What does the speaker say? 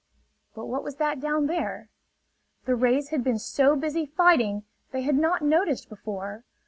But what was that down there? The rays had been so busy fighting they had not noticed before.